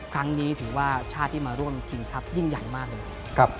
ครั้งนี้ถือว่าชาติที่มาร่วมทีมชาติยิ่งใหญ่มากเลย